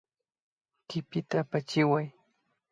Kipita apachiway